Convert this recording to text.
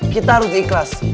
kita harus ikhlas